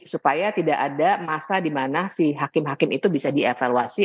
supaya tidak ada masa di mana si hakim hakim itu bisa dievaluasi